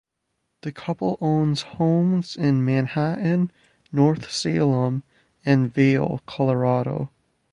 The couple owns homes in Manhattan, North Salem, and Vail, Colorado.